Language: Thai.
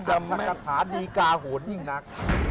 จัดกระขาดีกาหวนยิ่งหนัก